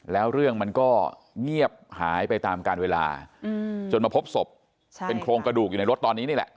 แล้วเรื่องมันก็เงียบหายไปตามการเวลาจนมาพบศพเป็นโครงกระดูกอยู่ในรถตอนนี้นี่แหละ